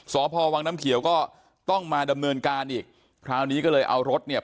สพวังน้ำเขียวก็ต้องมาดำเนินการอีกคราวนี้ก็เลยเอารถเนี่ย